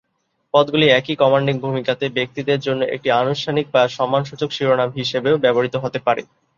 পদগুলি একই কমান্ডিং ভূমিকাতে ব্যক্তিদের জন্য একটি অনানুষ্ঠানিক বা সম্মানসূচক শিরোনাম হিসাবেও ব্যবহৃত হতে পারে।